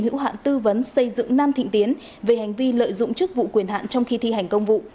hữu hạn tư vấn xây dựng nam thịnh tiến về hành vi lợi dụng chức vụ quyền hạn trong khi thi hành công vụ